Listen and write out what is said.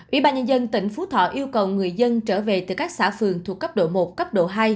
ủy ban nhân dân tỉnh phú thọ yêu cầu người dân trở về từ các xã phường thuộc cấp độ một cấp độ hai